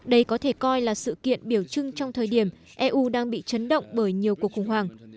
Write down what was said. đây có thể coi là sự kiện biểu trưng trong thời điểm eu đang bị chấn động bởi nhiều cuộc khủng hoảng